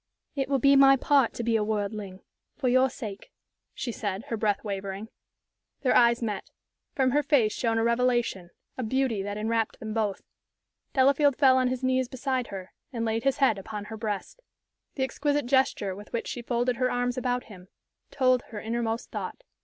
"It will be my part to be a worldling for your sake," she said, her breath wavering. Their eyes met. From her face shone a revelation, a beauty that enwrapped them both. Delafield fell on his knees beside her, and laid his head upon her breast. The exquisite gesture with which she folded her arms about him told her inmost thought.